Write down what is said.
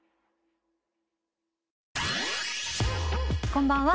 こんばんは。